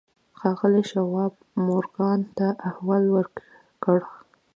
ښاغلي شواب مورګان ته احوال ورکړ.